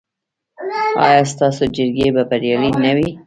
ایا ستاسو جرګې به بریالۍ نه وي؟